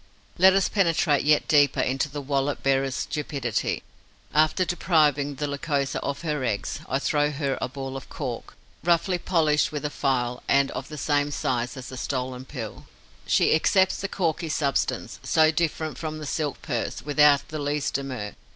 Let us penetrate yet deeper into the wallet bearer's stupidity. After depriving the Lycosa of her eggs, I throw her a ball of cork, roughly polished with a file and of the same size as the stolen pill. She accepts the corky substance, so different from the silk purse, without the least demur.